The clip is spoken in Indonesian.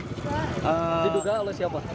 diduga oleh siapa